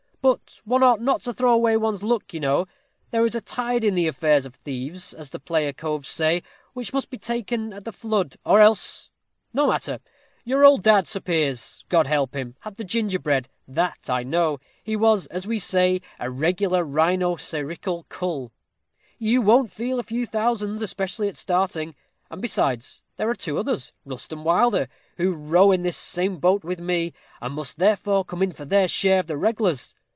But one ought not to throw away one's luck, you know there is a tide in the affairs of thieves, as the player coves say, which must be taken at the flood, or else no matter! Your old dad, Sir Piers God help him! had the gingerbread, that I know; he was, as we say, a regular rhino cerical cull. You won't feel a few thousands, especially at starting; and besides, there are two others, Rust and Wilder, who row in the same boat with me, and must therefore come in for their share of the reg'lars.